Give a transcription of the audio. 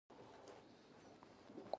ما ورته وویل: زه پر تا پوره باور لرم.